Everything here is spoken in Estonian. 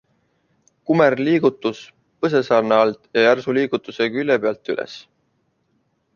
Kumer liigutus põsesarna alt ja järsu liigutusega külje pealt üles.